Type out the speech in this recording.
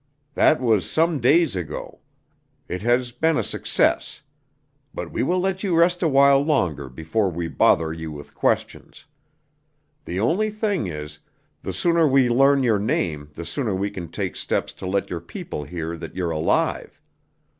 That was some days ago. It has been a success. But we will let you rest a while longer before we bother you with questions. The only thing is, the sooner we learn your name the sooner we can take steps to let your people hear that you're alive.